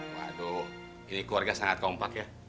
waduh ini keluarga sangat kompak ya